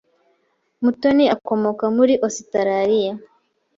Mutoni akomoka muri Ositaraliya.